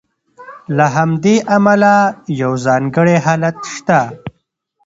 له همدې امله یو ځانګړی حالت شته.